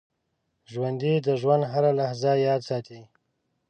ژوندي د ژوند هره لحظه یاد ساتي